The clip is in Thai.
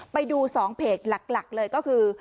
ไปดู๒เพจหลักเลยก็คือ